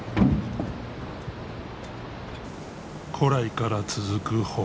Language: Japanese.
古来から続く捕鯨。